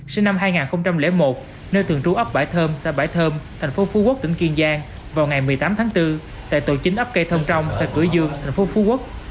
sinh năm hai nghìn một nơi thường trú ấp bảy thơm xã bãi thơm thành phố phú quốc tỉnh kiên giang vào ngày một mươi tám tháng bốn tại tổ chính ấp cây thông trong xã cửa dương tp phú quốc